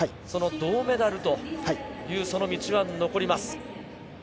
銅メダルというその道は残ります。